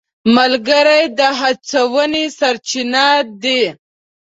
ملګري د هڅونې سرچینه دي.